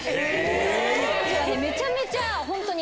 めちゃめちゃホントに。